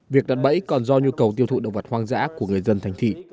việc đặt bẫy còn do nhu cầu tiêu thụ động vật hoang dã của người dân thành thị